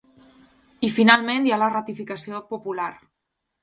I, finalment, hi ha la ratificació popular.